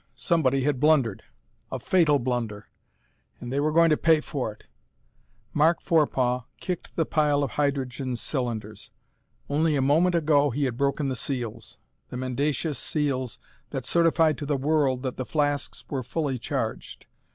Somebody had blundered a fatal blunder and they were going to pay for it! Mark Forepaugh kicked the pile of hydrogen cylinders. Only a moment ago he had broken the seals the mendacious seals that certified to the world that the flasks were fully charged.